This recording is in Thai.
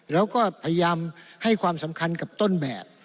แล้วก็พยายามให้ความสำคัญกับต้นแบบ